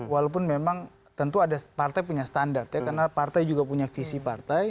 walaupun memang tentu ada partai punya standar ya karena partai juga punya visi partai